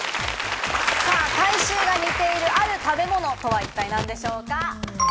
体臭が似ているある食べ物とは一体何でしょうか？